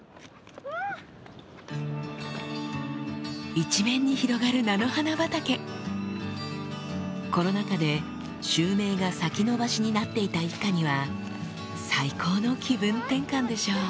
一面に広がる菜の花畑コロナ禍で襲名が先延ばしになっていた一家には最高の気分転換でしょう